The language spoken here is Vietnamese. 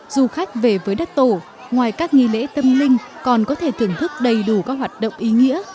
du khách về với đất tổ ngoài các nghi lễ tâm linh còn có thể thưởng thức đầy đủ các hoạt động ý nghĩa